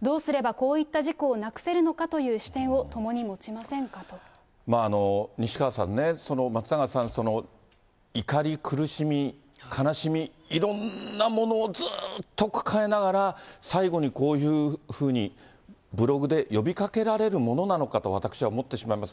どうすればこういった事故をなくせるのかという視点を共に持ちま西川さんね、松永さん、怒り、苦しみ、悲しみ、いろんなものをずっと抱えながら、最後にこういうふうにブログで呼びかけられるものなのかと、私は思ってしまいます。